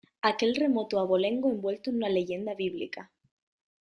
aquel remoto abolengo envuelto en una leyenda bíblica.